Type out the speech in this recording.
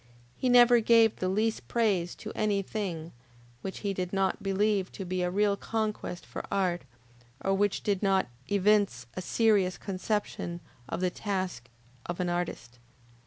He never gave the least praise to any thing which he did not believe to be a real conquest for art, or which did not evince a serious conception of the task of an artist.